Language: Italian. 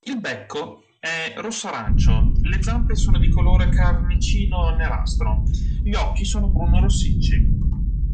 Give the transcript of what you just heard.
Il becco è rosso-arancio, le zampe sono di colore carnicino-nerastro, gli occhi sono bruno-rossicci.